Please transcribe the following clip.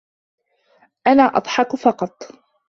أنا أضحك فقط.